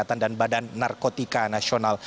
kesehatan dan badan narkotika nasional